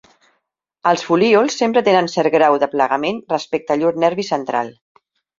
Els folíols sempre tenen cert grau de plegament respecte a llur nervi central.